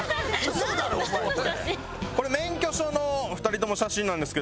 これ免許証の２人とも写真なんですけど。